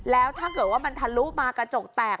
แล้วถ้าเกิดว่ามันทะลุมากระจกแตก